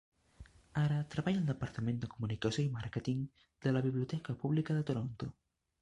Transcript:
Ara treballa al departament de comunicació i màrqueting de la Biblioteca Pública de Toronto.